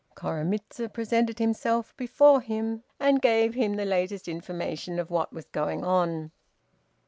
Koremitz presented himself before him, and gave him the latest information of what was going on.